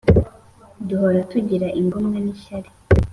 duhora tugira igomwa n’ishyar